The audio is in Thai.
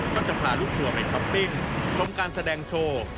ก็จะพาลูกทัวร์ไปช้อปปิ้งชมการแสดงโชว์